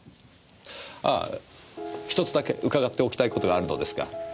ああ１つだけ伺っておきたいことがあるのですが。